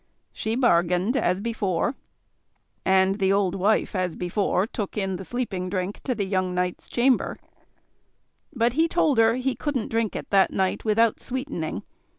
She bargained as before; and the old wife, as before, took in the sleeping drink to the young knight's chamber; but he told her he couldn't drink it that night without sweetening.